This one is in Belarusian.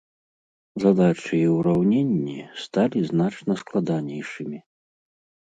Задачы і ўраўненні сталі значна складанейшымі.